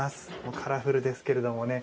カラフルですけれどもね。